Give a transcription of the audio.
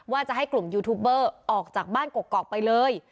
จะให้กลุ่มยูทูบเบอร์ออกจากบ้านกกอกไปเลย